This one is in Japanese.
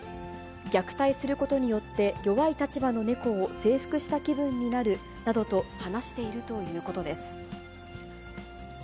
虐待することによって、弱い立場の猫を征服した気分になるなどと話しているということです。